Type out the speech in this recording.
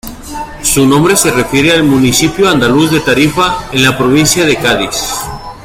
Su nombre se refiere al municipio andaluz de Tarifa, en la provincia de Cádiz.